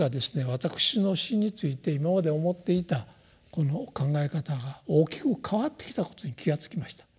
私の「死」について今まで思っていたこの考え方が大きく変わってきたことに気が付きました。